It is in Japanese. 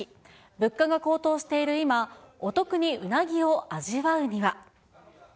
物価が高騰している今、お得にうなぎを味わうには。